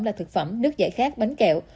là thực phẩm nước giải khát bánh kẹo